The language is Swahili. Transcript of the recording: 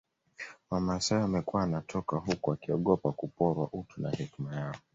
Wamasai wamekuwa wanatoka huko wakiogopa kuporwa utu na hekima yao